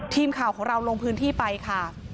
ทีมข่าวของเราลงพื้นที่ไปค่ะ